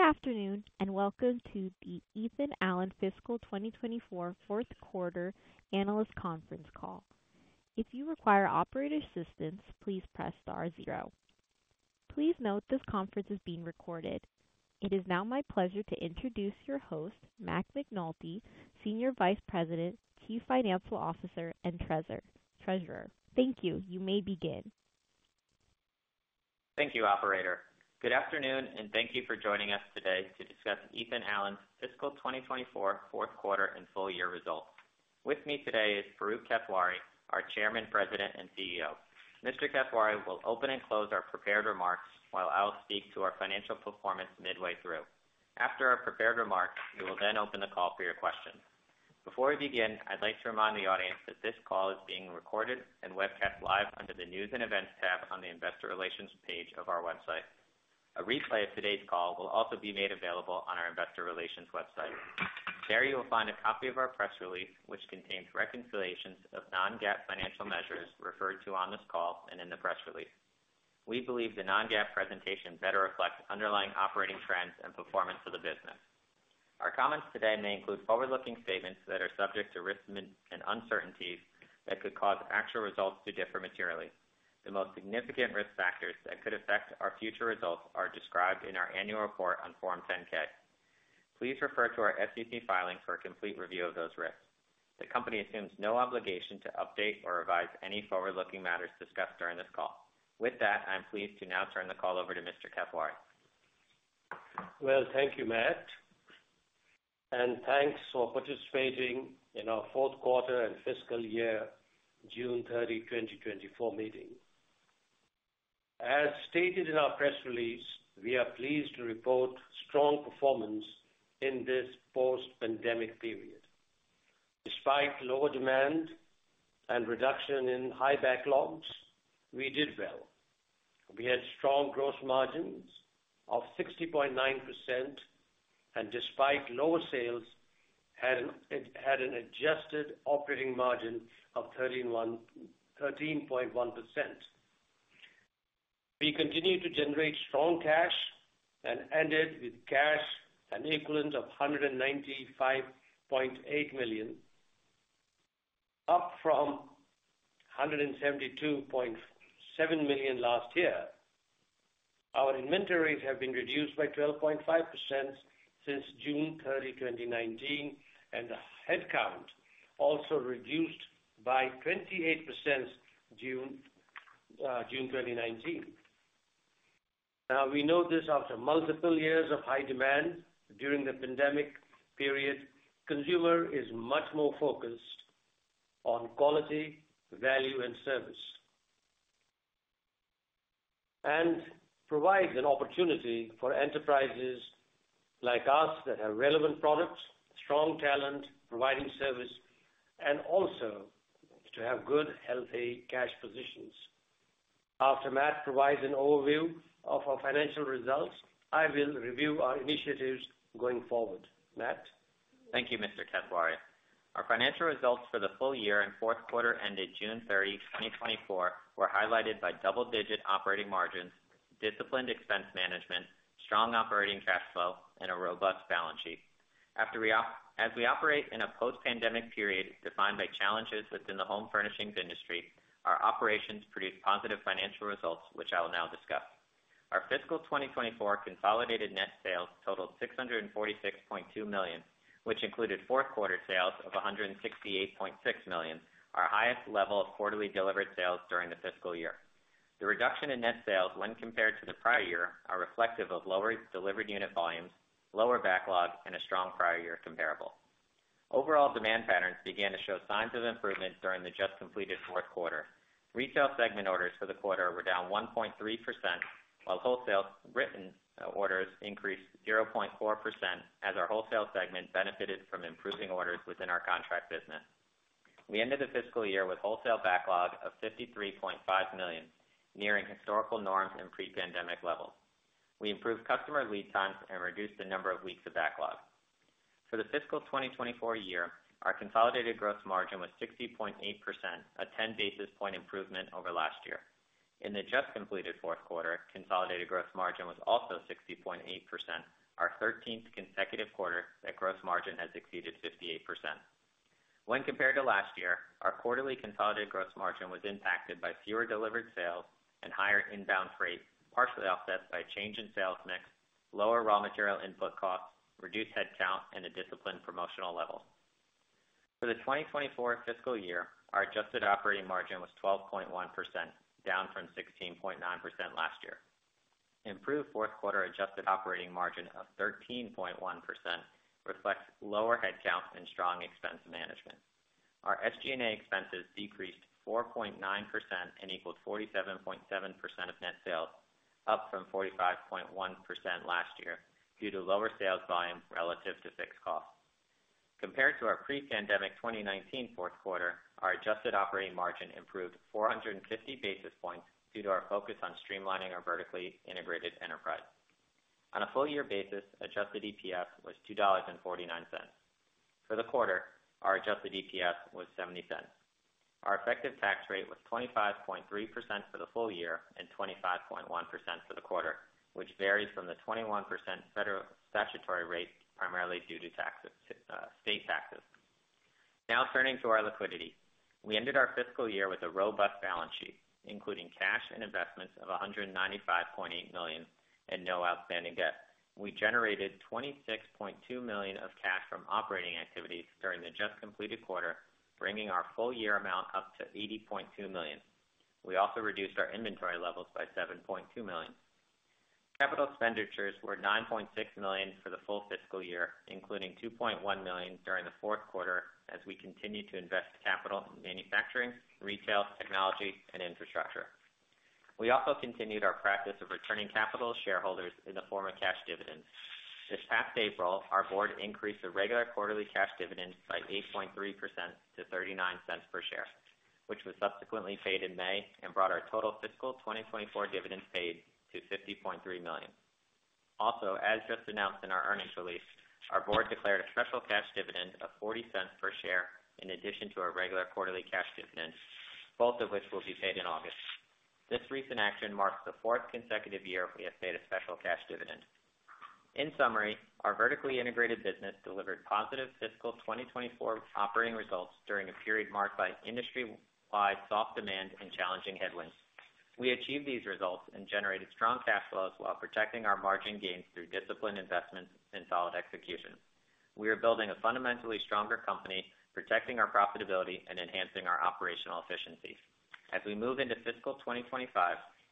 Good afternoon and welcome to the Ethan Allen Fiscal 2024 Q4 Analyst Conference Call. If you require operator assistance, please press star zero. Please note this conference is being recorded. It is now my pleasure to introduce your host, Matt McNulty, Senior Vice President, Chief Financial Officer, and Treasurer. Thank you. You may begin. Thank you, Operator. Good afternoon and thank you for joining us today to discuss Ethan Allen's Fiscal 2024 Q4 and full-year results. With me today is Farooq Kathwari, our Chairman, President, and CEO. Mr. Kathwari will open and close our prepared remarks while I'll speak to our financial performance midway through. After our prepared remarks, we will then open the call for your questions. Before we begin, I'd like to remind the audience that this call is being recorded and webcast live under the News and Events tab on the Investor Relations page of our website. A replay of today's call will also be made available on our Investor Relations website. There you will find a copy of our press release, which contains reconciliations of non-GAAP financial measures referred to on this call and in the press release. We believe the Non-GAAP presentation better reflects underlying operating trends and performance of the business. Our comments today may include forward-looking statements that are subject to risks and uncertainties that could cause actual results to differ materially. The most significant risk factors that could affect our future results are described in our annual report on Form 10-K. Please refer to our SEC filing for a complete review of those risks. The company assumes no obligation to update or revise any forward-looking matters discussed during this call. With that, I'm pleased to now turn the call over to Mr. Kathwari. Well, thank you, Matt. Thanks for participating in our Q4 and Fiscal Year June 30, 2024 meeting. As stated in our press release, we are pleased to report strong performance in this post-pandemic period. Despite lower demand and reduction in high backlogs, we did well. We had strong gross margins of 60.9%, and despite lower sales, had an adjusted operating margin of 13.1%. We continued to generate strong cash and ended with cash and equivalents of $195.8 million, up from $172.7 million last year. Our inventories have been reduced by 12.5% since June 30, 2019, and the headcount also reduced by 28% since June 2019. Now, we know this after multiple years of high demand during the pandemic period. Consumer is much more focused on quality, value, and service, and provides an opportunity for enterprises like us that have relevant products, strong talent, providing service, and also to have good, healthy cash positions. After Matt provides an overview of our financial results, I will review our initiatives going forward. Matt. Thank you, Mr. Kathwari. Our financial results for the full year and Q4 ended June 30, 2024, were highlighted by double-digit operating margins, disciplined expense management, strong operating cash flow, and a robust balance sheet. As we operate in a post-pandemic period defined by challenges within the home furnishings industry, our operations produced positive financial results, which I will now discuss. Our Fiscal 2024 consolidated net sales totaled $646.2 million, which included fourth-quarter sales of $168.6 million, our highest level of quarterly delivered sales during the fiscal year. The reduction in net sales, when compared to the prior year, is reflective of lower delivered unit volumes, lower backlog, and a strong prior-year comparable. Overall demand patterns began to show signs of improvement during the just-completed Q4. Retail segment orders for the quarter were down 1.3%, while wholesale written orders increased 0.4%, as our wholesale segment benefited from improving orders within our contract business. We ended the fiscal year with wholesale backlog of $53.5 million, nearing historical norms and pre-pandemic levels. We improved customer lead times and reduced the number of weeks of backlog. For the fiscal 2024 year, our consolidated gross margin was 60.8%, a 10 basis points improvement over last year. In the just-completed Q4, consolidated gross margin was also 60.8%, our 13th consecutive quarter that gross margin has exceeded 58%. When compared to last year, our quarterly consolidated gross margin was impacted by fewer delivered sales and higher inbound freight, partially offset by a change in sales mix, lower raw material input costs, reduced headcount, and a disciplined promotional level. For the 2024 fiscal year, our adjusted operating margin was 12.1%, down from 16.9% last year. Improved fourth-quarter adjusted operating margin of 13.1% reflects lower headcount and strong expense management. Our SG&A expenses decreased 4.9% and equaled 47.7% of net sales, up from 45.1% last year due to lower sales volume relative to fixed costs. Compared to our pre-pandemic 2019 Q4, our adjusted operating margin improved 450 basis points due to our focus on streamlining our vertically integrated enterprise. On a full-year basis, adjusted EPS was $2.49. For the quarter, our adjusted EPS was $0.70. Our effective tax rate was 25.3% for the full year and 25.1% for the quarter, which varies from the 21% federal statutory rate primarily due to state taxes. Now turning to our liquidity. We ended our fiscal year with a robust balance sheet, including cash and investments of $195.8 million and no outstanding debt. We generated $26.2 million of cash from operating activities during the just-completed quarter, bringing our full-year amount up to $80.2 million. We also reduced our inventory levels by $7.2 million. Capital expenditures were $9.6 million for the full fiscal year, including $2.1 million during the Q4 as we continued to invest capital in manufacturing, retail, technology, and infrastructure. We also continued our practice of returning capital to shareholders in the form of cash dividends. This past April, our board increased the regular quarterly cash dividend by 8.3% to $0.39 per share, which was subsequently paid in May and brought our total fiscal 2024 dividends paid to $50.3 million. Also, as just announced in our earnings release, our board declared a special cash dividend of $0.40 per share in addition to our regular quarterly cash dividend, both of which will be paid in August. This recent action marks the fourth consecutive year we have paid a special cash dividend. In summary, our vertically integrated business delivered positive fiscal 2024 operating results during a period marked by industry-wide soft demand and challenging headwinds. We achieved these results and generated strong cash flows while protecting our margin gains through disciplined investments and solid execution. We are building a fundamentally stronger company, protecting our profitability and enhancing our operational efficiencies. As we move into fiscal 2025,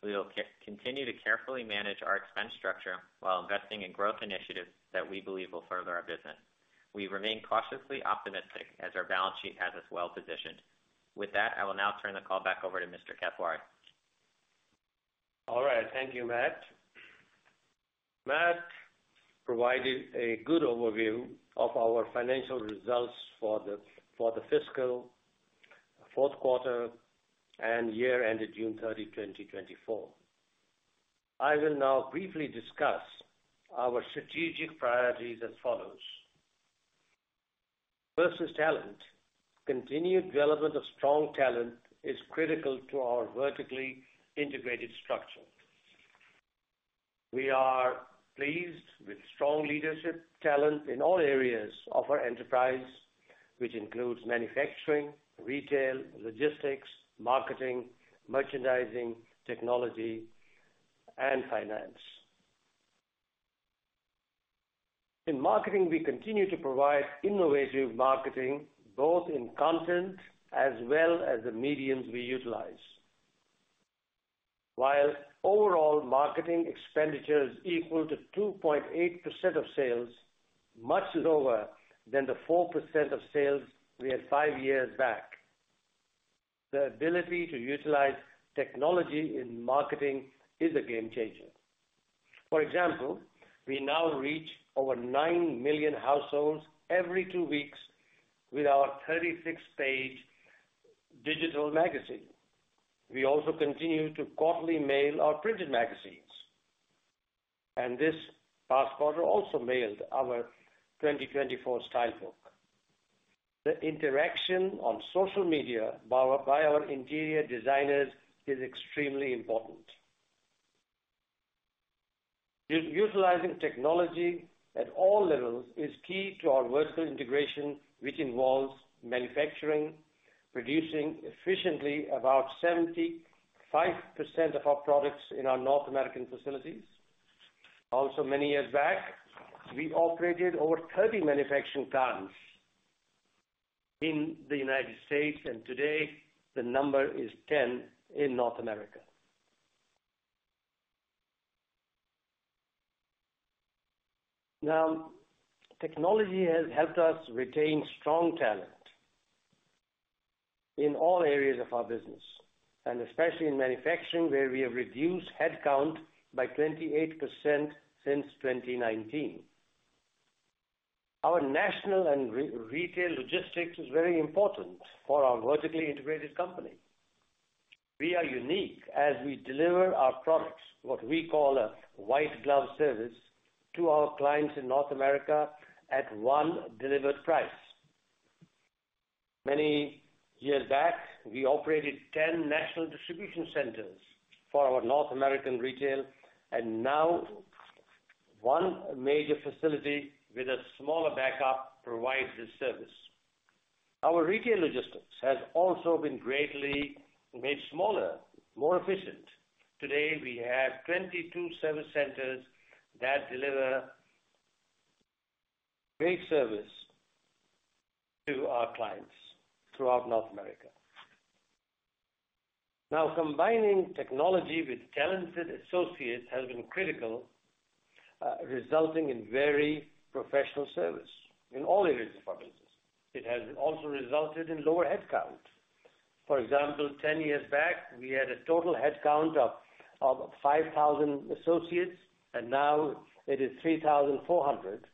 we will continue to carefully manage our expense structure while investing in growth initiatives that we believe will further our business. We remain cautiously optimistic as our balance sheet has us well positioned. With that, I will now turn the call back over to Mr. Kathwari. All right. Thank you, Matt. Matt provided a good overview of our financial results for the fiscal Q4 and year ended June 30, 2024. I will now briefly discuss our strategic priorities as follows. Versus talent, continued development of strong talent is critical to our vertically integrated structure. We are pleased with strong leadership talent in all areas of our enterprise, which includes manufacturing, retail, logistics, marketing, merchandising, technology, and finance. In marketing, we continue to provide innovative marketing both in content as well as the mediums we utilize. While overall marketing expenditures equal to 2.8% of sales, much lower than the 4% of sales we had five years back, the ability to utilize technology in marketing is a game changer. For example, we now reach over nine million households every two weeks with our 36-page digital magazine. We also continue to quarterly mail our printed magazines. This past quarter also mailed our 2024 Style Book. The interaction on social media by our interior designers is extremely important. Utilizing technology at all levels is key to our vertical integration, which involves manufacturing, producing efficiently about 75% of our products in our North American facilities. Also, many years back, we operated over 30 manufacturing plants in the United States, and today the number is 10 in North America. Now, technology has helped us retain strong talent in all areas of our business, and especially in manufacturing, where we have reduced headcount by 28% since 2019. Our national and retail logistics is very important for our vertically integrated company. We are unique as we deliver our products, what we call a white-glove service, to our clients in North America at one delivered price. Many years back, we operated 10 national distribution centers for our North American retail, and now one major facility with a smaller backup provides this service. Our retail logistics has also been greatly made smaller, more efficient. Today, we have 22 service centers that deliver great service to our clients throughout North America. Now, combining technology with talented associates has been critical, resulting in very professional service in all areas of our business. It has also resulted in lower headcount. For example, 10 years back, we had a total headcount of 5,000 associates, and now it is 3,400,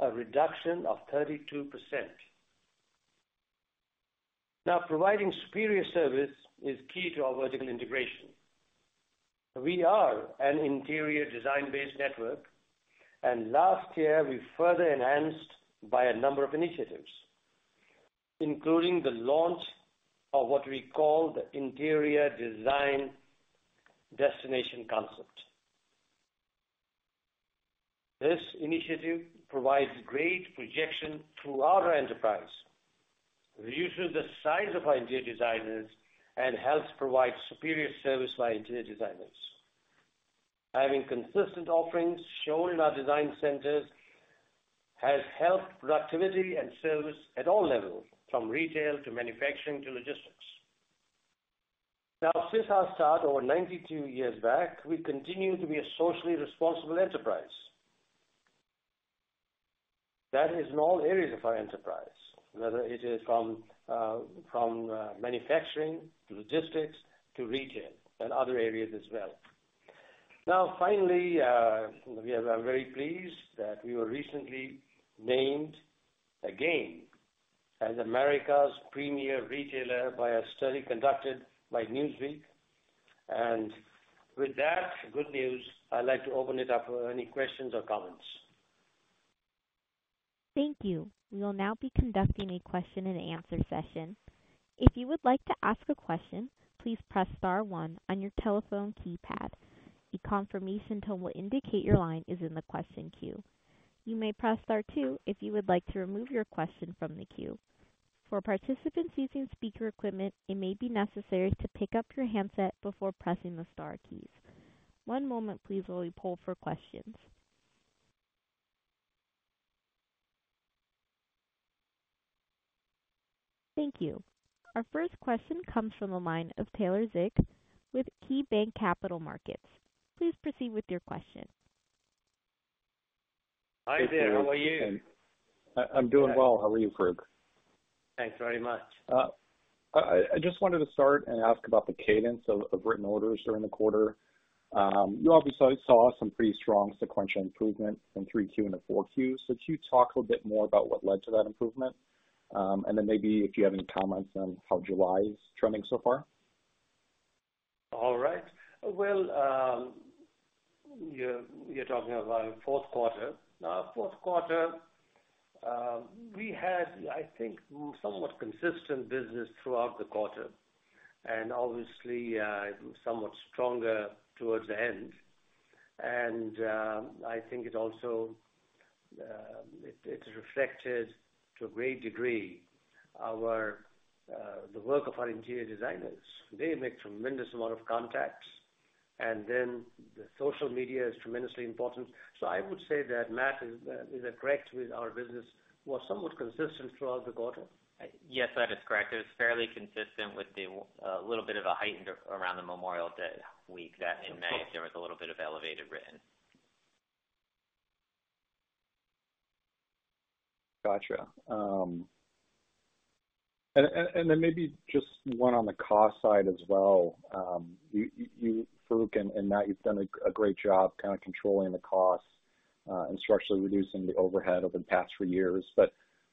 a reduction of 32%. Now, providing superior service is key to our vertical integration. We are an interior design-based network, and last year, we further enhanced by a number of initiatives, including the launch of what we call the Interior Design Destination concept. This initiative provides great projection throughout our enterprise, reduces the size of our interior designers, and helps provide superior service by interior designers. Having consistent offerings shown in our design centers has helped productivity and service at all levels, from retail to manufacturing to logistics. Now, since our start over 92 years back, we continue to be a socially responsible enterprise. That is in all areas of our enterprise, whether it is from manufacturing to logistics to retail and other areas as well. Now, finally, we are very pleased that we were recently named again as America's Premier Retailer by a study conducted by Newsweek. With that good news, I'd like to open it up for any questions or comments. Thank you. We will now be conducting a question-and-answer session. If you would like to ask a question, please press star one on your telephone keypad. A confirmation tone will indicate your line is in the question queue. You may press star two if you would like to remove your question from the queue. For participants using speaker equipment, it may be necessary to pick up your handset before pressing the star keys. One moment, please, while we pull for questions. Thank you. Our first question comes from the line of Taylor Zick with KeyBanc Capital Markets. Please proceed with your question. Hi there. How are you? I'm doing well. How are you, Zick? Thanks very much. I just wanted to start and ask about the cadence of written orders during the quarter. You obviously saw some pretty strong sequential improvement in 3Q and 4Q. So could you talk a little bit more about what led to that improvement? And then maybe if you have any comments on how July is trending so far? All right. Well, you're talking about Q4. Q4, we had, I think, somewhat consistent business throughout the quarter and obviously somewhat stronger towards the end. And I think it also reflected to a great degree the work of our interior designers. They make a tremendous amount of contacts. And then the social media is tremendously important. So I would say that Matt is correct with our business was somewhat consistent throughout the quarter. Yes, that is correct. It was fairly consistent with a little bit of a heightened around the Memorial Day week that in May, there was a little bit of elevated written. Gotcha. And then maybe just one on the cost side as well. You, Farooq and Matt, you've done a great job kind of controlling the costs and structurally reducing the overhead over the past few years. But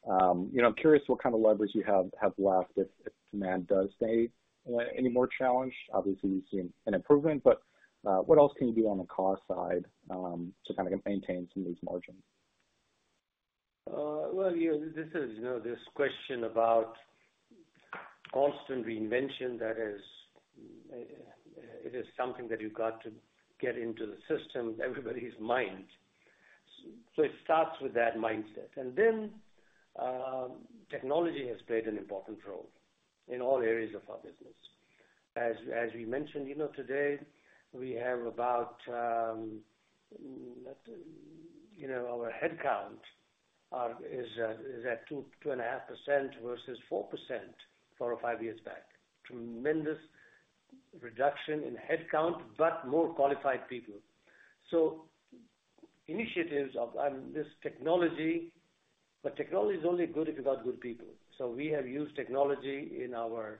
I'm curious what kind of levers you have left if demand does stay any more challenged. Obviously, you've seen an improvement, but what else can you do on the cost side to kind of maintain some of these margins? Well, this is this question about constant reinvention that is something that you've got to get into the system in everybody's mind. So it starts with that mindset. And then technology has played an important role in all areas of our business. As we mentioned, today, we have about our headcount is at 2.5% versus 4% 4 or 5 years back. Tremendous reduction in headcount, but more qualified people. So initiatives of this technology, but technology is only good if you've got good people. So we have used technology in our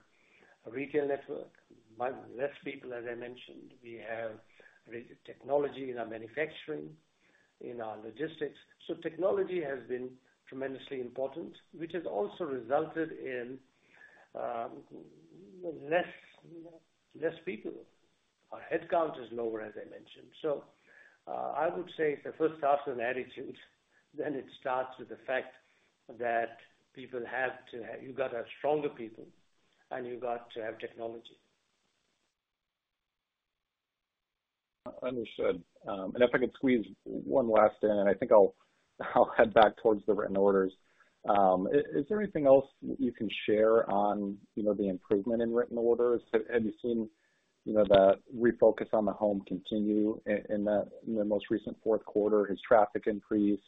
retail network, less people, as I mentioned. We have technology in our manufacturing, in our logistics. So technology has been tremendously important, which has also resulted in less people. Our headcount is lower, as I mentioned. So I would say it first starts with an attitude. It starts with the fact that people have to have. You've got to have stronger people and you've got to have technology. Understood. If I could squeeze one last in, and I think I'll head back towards the written orders. Is there anything else you can share on the improvement in written orders? Have you seen the refocus on the home continue in the most recent Q4? Has traffic increased?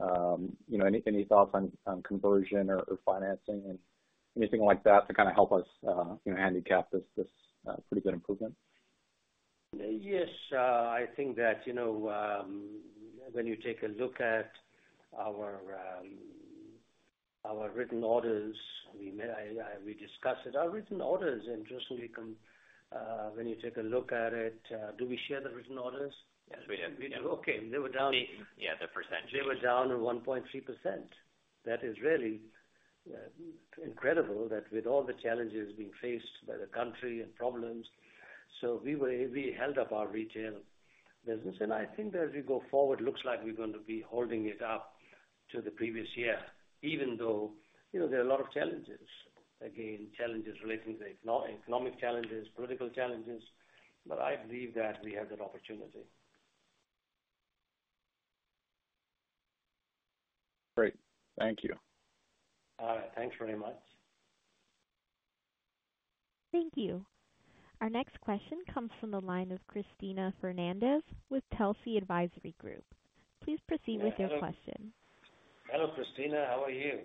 Any thoughts on conversion or financing and anything like that to kind of help us handicap this pretty good improvement? Yes. I think that when you take a look at our written orders, we discussed it. Our written orders, interestingly, when you take a look at it, do we share the written orders? Yes, we do. We do. Okay. They were down. Yeah, the percentage. They were down 1.3%. That is really incredible that with all the challenges being faced by the country and problems. So we held up our retail business. And I think as we go forward, it looks like we're going to be holding it up to the previous year, even though there are a lot of challenges. Again, challenges relating to economic challenges, political challenges. But I believe that we have that opportunity. Great. Thank you. All right. Thanks very much. Thank you. Our next question comes from the line of Cristina Fernandez with Telsey Advisory Group. Please proceed with your question. Hello, Christina. How are you?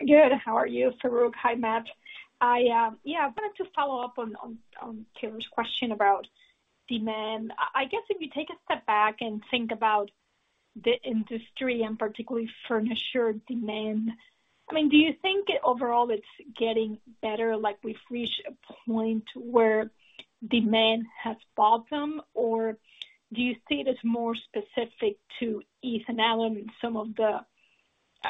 Good. How are you, Farooq? Hi, Matt. Yeah, I wanted to follow up on Taylor's question about demand. I guess if you take a step back and think about the industry, and particularly furniture demand, I mean, do you think overall it's getting better? We've reached a point where demand has bottomed, or do you see it as more specific to Ethan Allen and some of the,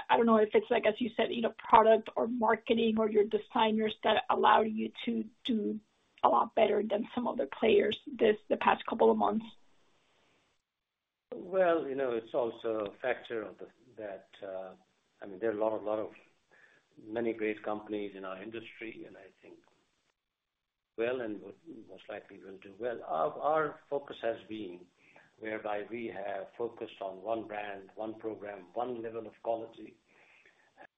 I don't know if it's, as you said, product or marketing or your designers that allow you to do a lot better than some other players this past couple of months? Well, it's also a factor that, I mean, there are a lot of many great companies in our industry, and I think well and most likely will do well. Our focus has been whereby we have focused on one brand, one program, one level of quality,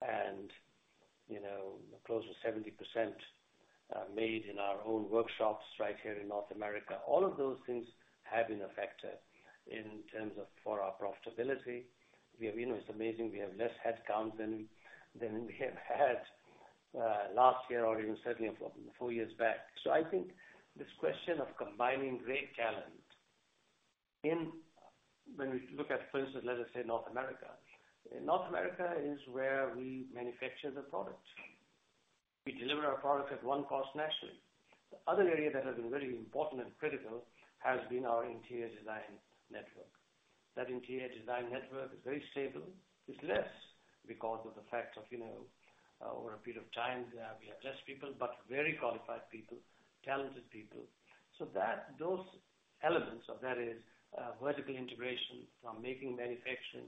and close to 70% made in our own workshops right here in North America. All of those things have been a factor in terms of our profitability. It's amazing we have less headcount than we have had last year or even certainly four years back. So I think this question of combining great talent, when we look at, for instance, let us say North America. North America is where we manufacture the product. We deliver our products at one cost nationally. The other area that has been very important and critical has been our interior design network. That interior design network is very stable. It's less because of the fact that over a period of time, we have less people, but very qualified people, talented people. So those elements, that is, vertical integration from making manufacturing,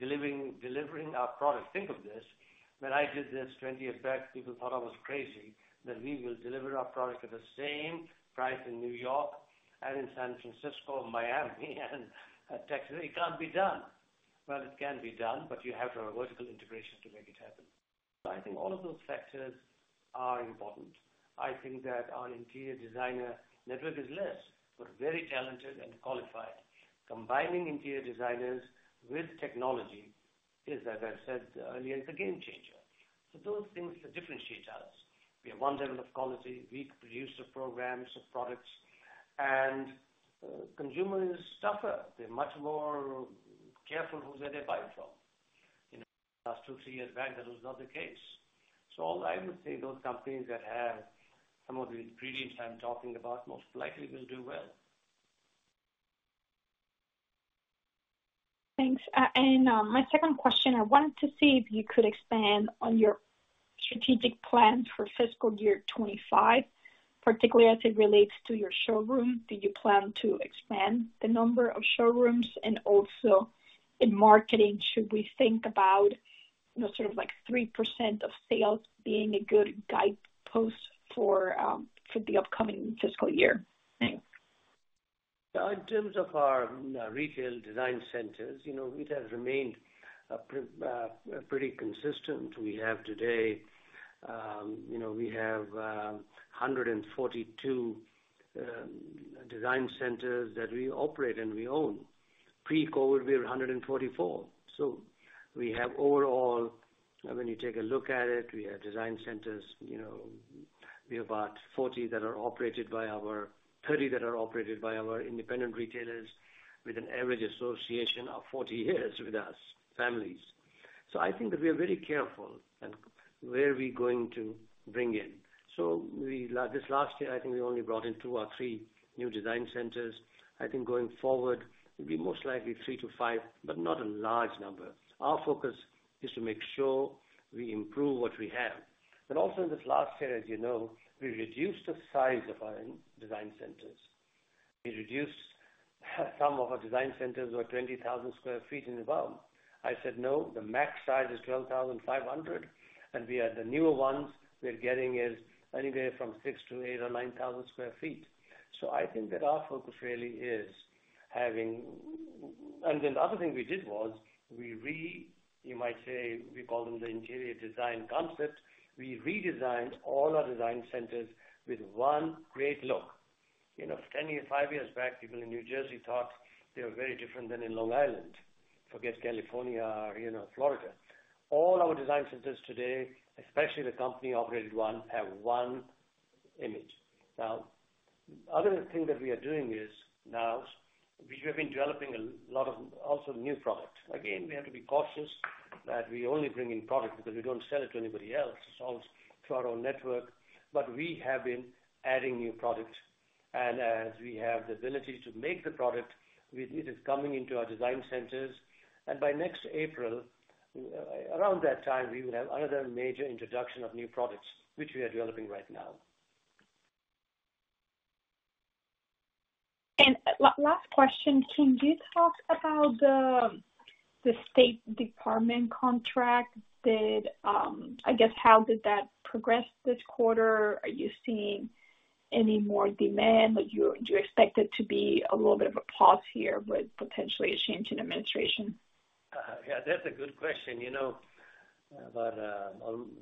delivering our product. Think of this. When I did this 20 years back, people thought I was crazy that we will deliver our product at the same price in New York and in San Francisco and Miami and Texas. It can't be done. Well, it can be done, but you have to have a vertical integration to make it happen. I think all of those factors are important. I think that our interior designer network is less, but very talented and qualified. Combining interior designers with technology is, as I said earlier, the game changer. So those things differentiate us. We have one level of quality. We produce the programs of products, and consumers suffer. They're much more careful who they buy from. In the last two, three years back, that was not the case. So I would say those companies that have some of the ingredients I'm talking about most likely will do well. Thanks. And my second question, I wanted to see if you could expand on your strategic plans for fiscal year 2025, particularly as it relates to your showroom. Do you plan to expand the number of showrooms? And also in marketing, should we think about sort of 3% of sales being a good guidepost for the upcoming fiscal year? Thanks. In terms of our retail design centers, it has remained pretty consistent. We have today, we have 142 design centers that we operate and we own. Pre-COVID, we were 144. So we have overall, when you take a look at it, we have design centers. We have about 30 that are operated by our independent retailers with an average association of 40 years with us, families. So I think that we are very careful where we're going to bring in. So this last year, I think we only brought in two or three new design centers. I think going forward, it will be most likely three-five, but not a large number. Our focus is to make sure we improve what we have. But also in this last year, as you know, we reduced the size of our design centers. We reduced some of our design centers to 20,000 sq ft and above. I said, "No, the max size is 12,500." The newer ones we're getting is anywhere from 6,000 to 8,000 or 9,000 sq ft. So I think that our focus really is having—and then the other thing we did was, you might say we called them the interior design concept. We redesigned all our design centers with one great look. 10 years, five years back, people in New Jersey thought they were very different than in Long Island. Forget California or Florida. All our design centers today, especially the company-operated one, have one image. Now, the other thing that we are doing is now we have been developing a lot of also new products. Again, we have to be cautious that we only bring in products because we don't sell it to anybody else. It's all through our own network. But we have been adding new products. And as we have the ability to make the product, it is coming into our design centers. And by next April, around that time, we will have another major introduction of new products, which we are developing right now. Last question, can you talk about the State Department contract? I guess, how did that progress this quarter? Are you seeing any more demand? Do you expect it to be a little bit of a pause here with potentially a change in administration? Yeah, that's a good question. But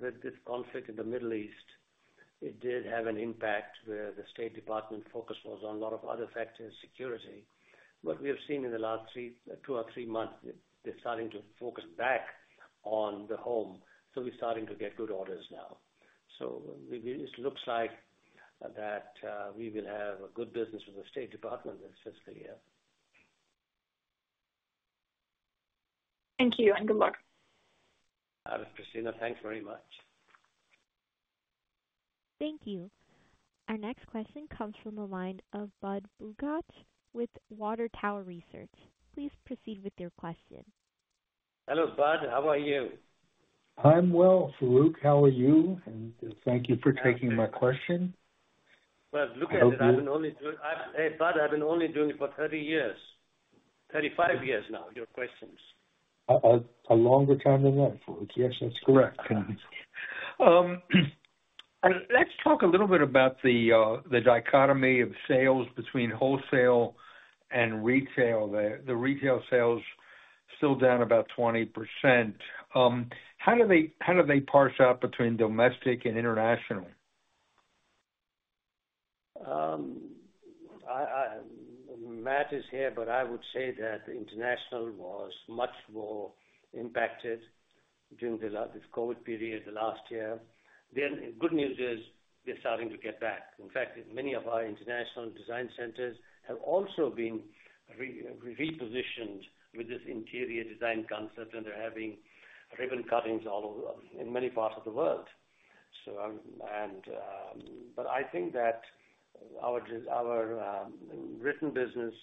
with this conflict in the Middle East, it did have an impact where the State Department focus was on a lot of other factors, security. But we have seen in the last two or three months, they're starting to focus back on the home. So we're starting to get good orders now. So it looks like that we will have good business with the State Department this fiscal year. Thank you and good luck. All right, Christina. Thanks very much. Thank you. Our next question comes from the line of Budd Bugatch with Water Tower Research. Please proceed with your question. Hello, Budd. How are you? I'm well, thanks. How are you? Thank you for taking my question. Well, look at it. I've been only doing, hey, Budd, I've been only doing it for 30 years, 35 years now, your questions. A longer time than that, Freak. Yes, that's correct. Let's talk a little bit about the dichotomy of sales between wholesale and retail. The retail sales are still down about 20%. How do they parse out between domestic and international? Matt is here, but I would say that international was much more impacted during the COVID period last year. The good news is they're starting to get back. In fact, many of our international design centers have also been repositioned with this interior design concept, and they're having ribbon cuttings in many parts of the world. But I think that our U.S. business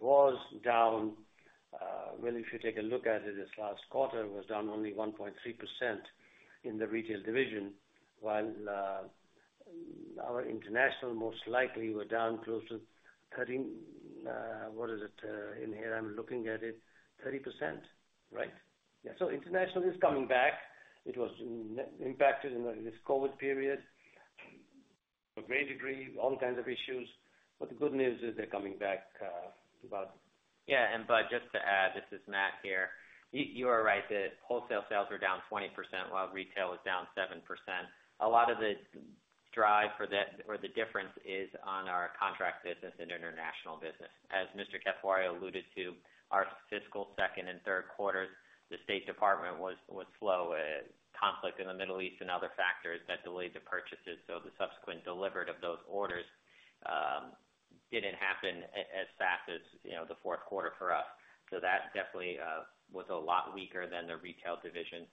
was down—well, if you take a look at it, this last quarter was down only 1.3% in the retail division, while our international most likely were down close to—what is it in here? I'm looking at it—30%, right? Yeah. So international is coming back. It was impacted in this COVID period to a great degree, all kinds of issues. But the good news is they're coming back about. Yeah. Budd, just to add, this is Matt here. You are right that wholesale sales were down 20% while retail was down 7%. A lot of the driver for that or the difference is on our contract business and international business. As Mr. Kathwari alluded to, our fiscal 2nd and Q3s, the State Department was slow. Conflict in the Middle East and other factors that delayed the purchases. So the subsequent delivery of those orders didn't happen as fast as the Q4 for us. So that definitely was a lot weaker than the retail division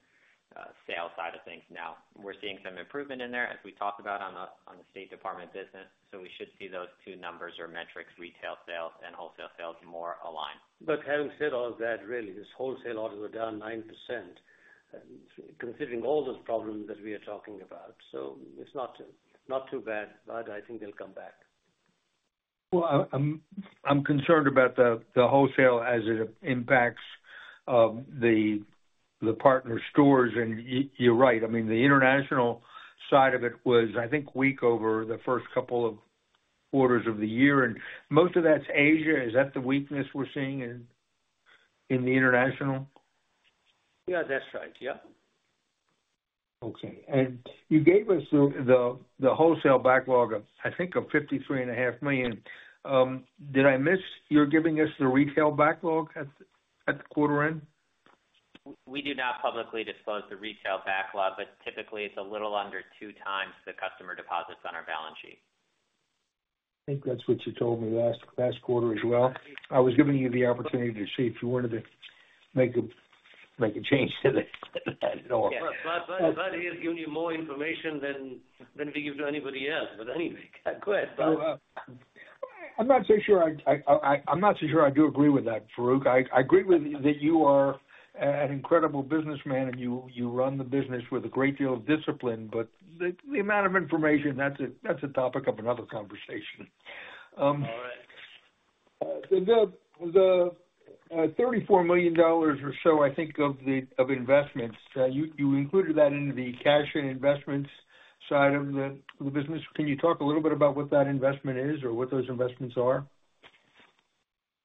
sales side of things now. We're seeing some improvement in there, as we talked about on the State Department business. So we should see those two numbers or metrics, retail sales and wholesale sales, more aligned. But having said all of that, really, this wholesale orders were down 9%, considering all those problems that we are talking about. So it's not too bad, but I think they'll come back. Well, I'm concerned about the wholesale as it impacts the partner stores. You're right. I mean, the international side of it was, I think, weak over the first couple of quarters of the year. Most of that's Asia. Is that the weakness we're seeing in the international? Yeah, that's right. Yeah. Okay. And you gave us the wholesale backlog of, I think, $53.5 million. Did I miss your giving us the retail backlog at the quarter end? We do not publicly disclose the retail backlog, but typically, it's a little under 2x the customer deposits on our balance sheet. I think that's what you told me last quarter as well. I was giving you the opportunity to see if you wanted to make a change to that or. Well, Budd is giving you more information than we give to anybody else. But anyway, go ahead, Budd. I'm not so sure. I'm not so sure I do agree with that, Farooq. I agree with you that you are an incredible businessman, and you run the business with a great deal of discipline. But the amount of information, that's a topic of another conversation. All right. The $34 million or so, I think, of investments, you included that into the cash and investments side of the business. Can you talk a little bit about what that investment is or what those investments are?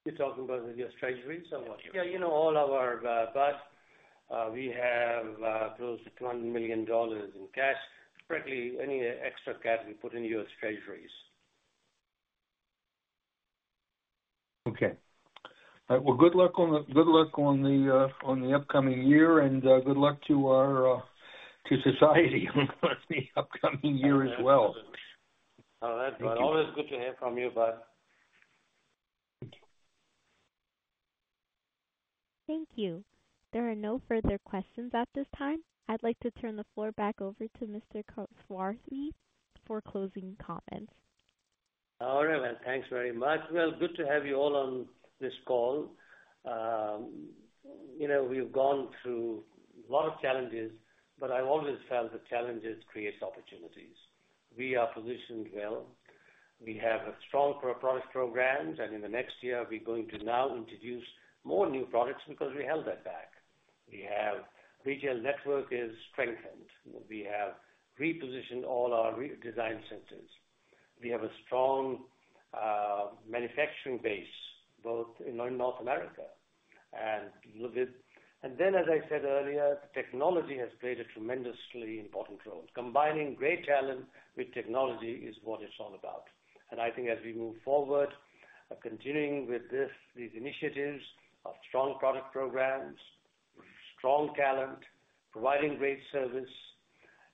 You're talking about the U.S. Treasuries or what? Yeah, all of our, Budd, we have close to $200 million in cash. Correctly, any extra cash we put into U.S. Treasuries. Okay. All right. Well, good luck on the upcoming year, and good luck to society in the upcoming year as well. All right. Well, always good to hear from you, Budd. Thank you. There are no further questions at this time. I'd like to turn the floor back over to Mr. Kathwari for closing comments. All right, man. Thanks very much. Well, good to have you all on this call. We've gone through a lot of challenges, but I've always felt that challenges create opportunities. We are positioned well. We have strong product programs. And in the next year, we're going to now introduce more new products because we held that back. We have retail network strengthened. We have repositioned all our design centers. We have a strong manufacturing base both in North America and a little bit. And then, as I said earlier, technology has played a tremendously important role. Combining great talent with technology is what it's all about. And I think as we move forward, continuing with these initiatives of strong product programs, strong talent, providing great service,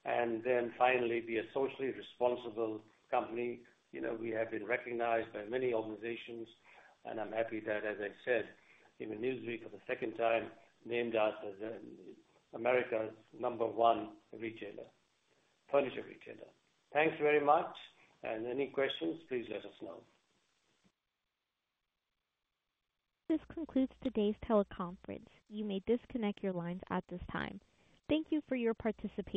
and then finally, be a socially responsible company. We have been recognized by many organizations, and I'm happy that, as I said, in Newsweek for the second time, named us as America's number one retailer, furniture retailer. Thanks very much. Any questions, please let us know. This concludes today's teleconference. You may disconnect your lines at this time. Thank you for your participation.